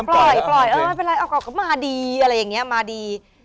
ก็ปล่อยอ่ะปล่อยไม่เป็นไรมาดีอะไรอย่างนี้มาดี